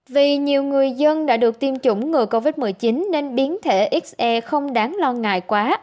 vì nhiều người dân đã được tiêm chủng ngừa covid một mươi chín nên biến thể xe không đáng lo ngại quá